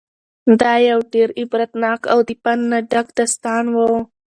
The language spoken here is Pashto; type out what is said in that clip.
دا یو ډېر عبرتناک او د پند نه ډک داستان و.